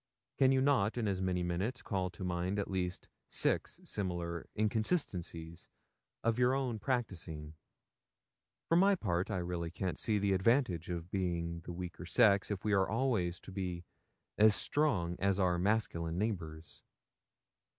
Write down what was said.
Can you not in as many minutes call to mind at least six similar inconsistencies of your own practising? For my part, I really can't see the advantage of being the weaker sex if we are always to be as strong as our masculine neighbours.